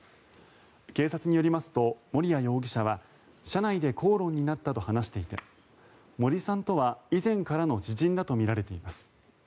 警察によりますと、森谷容疑者は車内で口論になったと話していて森さんとは以前からの知人だとみられています。